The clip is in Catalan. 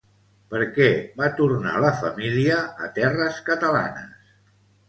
Per què va tornar la família a terres catalanes?